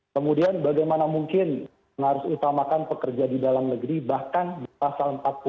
kemudian bagaimana mungkin mengharus utamakan pekerja di dalam negeri bahkan pasal empat puluh dua itu